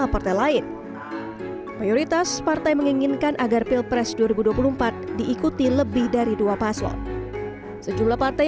partai lain mayoritas partai menginginkan agar pilpres dua ribu dua puluh empat diikuti lebih dari dua paslon sejumlah partai